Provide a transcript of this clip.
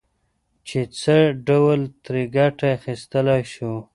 چې څه ډول ترې ګټه اخيستلای شو.